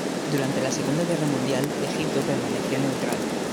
Durante la Segunda Guerra Mundial, Egipto permaneció neutral.